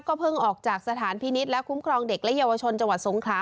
เพิ่งออกจากสถานพินิษฐ์และคุ้มครองเด็กและเยาวชนจังหวัดสงขลา